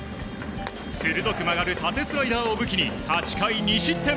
鋭く曲がる縦スライダーを武器に８回２失点。